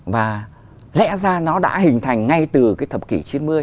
và lẽ ra nó đã hình thành ngay từ cái thập kỷ chín mươi